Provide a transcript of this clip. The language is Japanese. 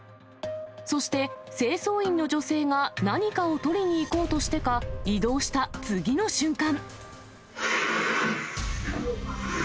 そして、清掃員の女性が何かを取りに行こうとしてか、移動した次の瞬間。